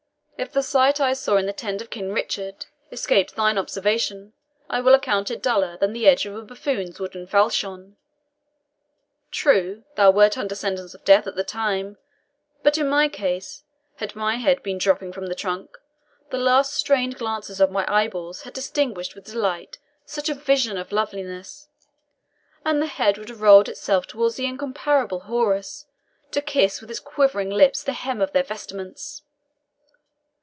"If the sight I saw in the tent of King Richard escaped thine observation, I will account it duller than the edge of a buffoon's wooden falchion. True, thou wert under sentence of death at the time; but, in my case, had my head been dropping from the trunk, the last strained glances of my eyeballs had distinguished with delight such a vision of loveliness, and the head would have rolled itself towards the incomparable houris, to kiss with its quivering lips the hem of their vestments.